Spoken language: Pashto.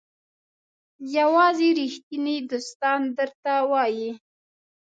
یوازې ریښتیني دوستان درته وایي.